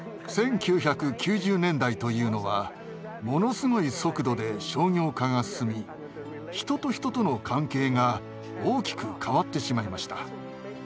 １９９０年代というのはものすごい速度で商業化が進み人と人との関係が大きく変わってしまいました。